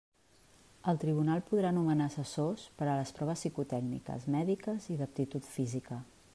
El tribunal podrà nomenar assessors per a les proves psicotècniques, mèdiques i d'aptitud física.